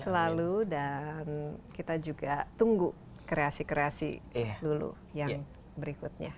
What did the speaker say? selalu dan kita juga tunggu kreasi kreasi dulu yang berikutnya